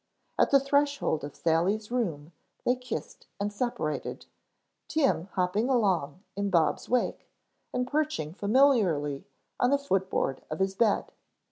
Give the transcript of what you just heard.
At the threshold of Sally's room they kissed and separated, Tim hopping along in Bob's wake, and perching familiarly on the foot board of his bed.